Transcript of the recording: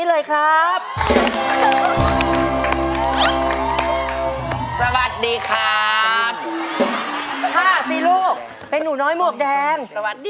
ต้อยหมวกแดง